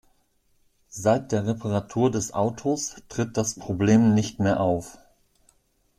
Seit der Reparatur des Autos tritt das Problem nicht mehr auf.